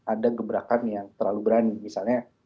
ada gebrakan yang terlalu berani misalnya